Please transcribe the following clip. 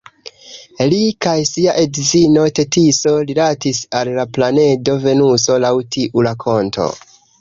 Li kaj sia edzino Tetiso rilatis al la planedo Venuso, laŭ tiu rakonto.